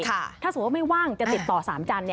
ถ้าสมมุติว่าไม่ว่างจะติดต่อ๓จันทร์